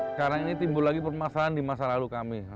sekarang ini timbul lagi permasalahan di masa lalu kami